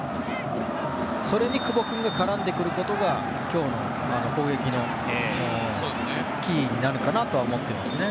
それに久保君が絡んでくることが今日の攻撃のキーになるかなとは思っていますね。